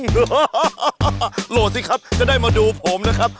โหลดสิครับจะได้มาดูผมนะครับ